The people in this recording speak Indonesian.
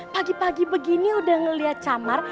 pagi pagi begini udah ngelihat camar